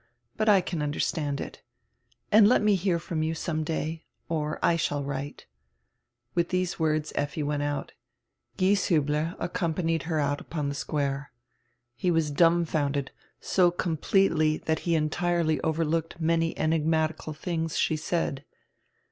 But I can understand it — and let me hear from you some day. Or I shall write." With these words Lffi w r ent out. Gieshiibler accompanied her out upon the square. He was dumbfounded, so com pletely that he entirely overlooked many enigmatical tilings she said.